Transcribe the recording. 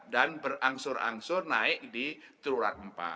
dan berangsur angsur naik di triulan empat